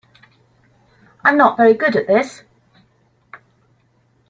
I'm not very good at this.